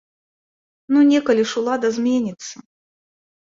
Ну некалі ж улада зменіцца!